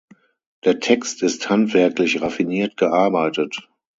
Der Text ist handwerklich raffiniert gearbeitet.